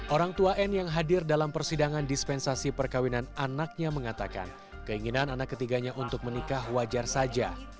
orang tua n yang hadir dalam persidangan dispensasi perkawinan anaknya mengatakan keinginan anak ketiganya untuk menikah wajar saja